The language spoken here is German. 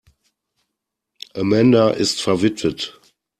Amanda ist verwitwet.